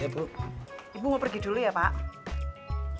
ibu ibu mau pergi dulu ya pak